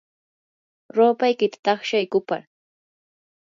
rupaykita taqshay kupar.